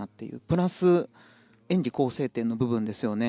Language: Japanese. プラス演技構成点の部分ですね。